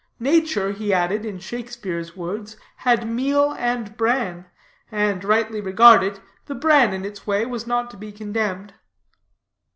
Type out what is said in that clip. Nature, he added, in Shakespeare's words, had meal and bran; and, rightly regarded, the bran in its way was not to be condemned.